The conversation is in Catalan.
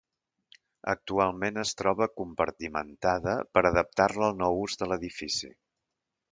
Actualment es troba compartimentada per adaptar-la al nou ús de l'edifici.